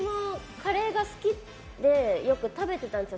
カレーが好きでよく食べてたんですよ。